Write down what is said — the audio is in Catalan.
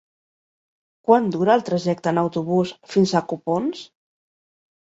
Quant dura el trajecte en autobús fins a Copons?